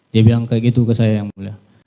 dia bilang begitu ke saya ya mulia